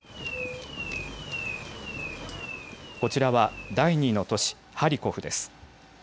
こちらは第２の都市、ハリコフです。